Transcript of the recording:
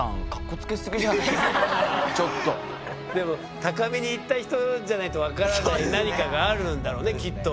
ちょっとでも高みに行った人じゃないと分からない何かがあるんだろうねきっと。